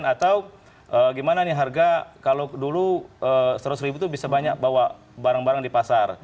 atau gimana nih harga kalau dulu seratus ribu itu bisa banyak bawa barang barang di pasar